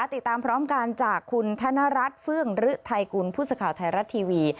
ติดตามพร้อมกันจากคุณธนรัฐฟื้องหรือไทยกุลผู้สาขาวไทยรัฐทีวี